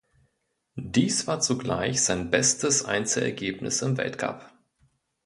Dies war zugleich sein bestes Einzelergebnis im Weltcup.